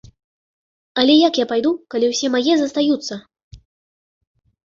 Але як я пайду, калі ўсе мае застаюцца?